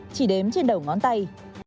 trên đầu ngón tay